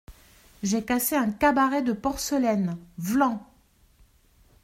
J’ai cassé un cabaret de porcelaine, vlan !